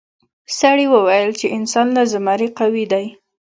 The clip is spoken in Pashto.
سړي وویل چې انسان له زمري قوي دی.